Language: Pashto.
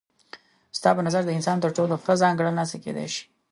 ستا په نظر د انسان تر ټولو ښه ځانګړنه څه کيدای شي؟